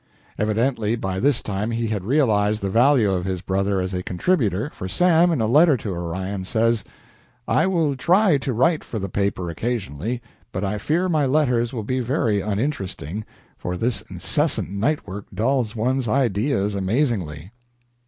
Evidently by this time he had realized the value of his brother as a contributor, for Sam, in a letter to Orion, says, "I will try to write for the paper occasionally, but I fear my letters will be very uninteresting, for this incessant night work dulls one's ideas amazingly."